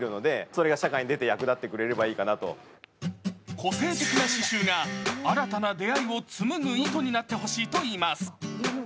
個性的なししゅうが新たな出会いを紡ぐ糸になってほしいといいます。